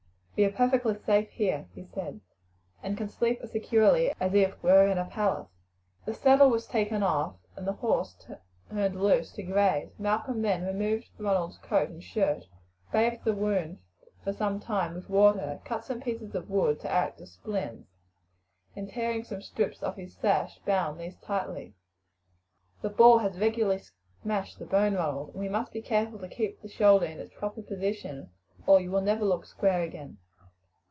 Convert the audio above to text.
"We are perfectly safe here," he said, "and can sleep as securely as if we were in a palace." The saddle was taken off and the horse turned loose to graze. Malcolm then removed Ronald's coat and shirt, bathed the wound for some time with water, cut some pieces of wood to act as splints, and tearing some strips off his sash bound these tightly. "The ball has regularly smashed the bone, Ronald, and we must be careful to keep the shoulder in its proper position or you will never look square again."